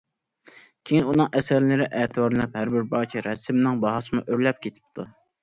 كېيىن ئۇنىڭ ئەسەرلىرى ئەتىۋارلىنىپ ھەر بىر پارچە رەسىمىنىڭ باھاسىمۇ ئۆرلەپ كېتىپتۇ.